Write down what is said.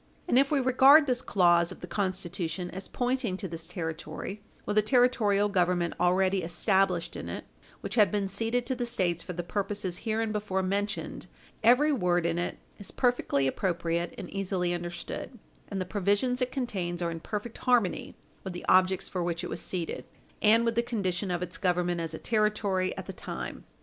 And if we regard this clause of the Constitution as pointing to this Territory, with a Territorial Government already established in it, which had been ceded to the States for the purposes hereinbefore mentioned every word in it is perfectly appropriate and easily understood, and the provisions it contains are in perfect harmony with the objects for which it was ceded, and with the condition of its government as a Territory at the time.